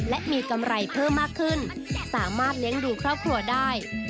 และมีกำไรเพิ่มมากขึ้นสามารถเลี้ยงดูครอบครัวได้